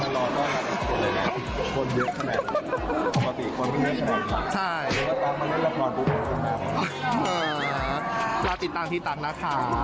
รอติดตามติดตามนะคะ